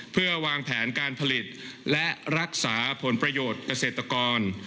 เพื่อวางแผนการผลิตและรักษาผลประโยชน์เกษตรกร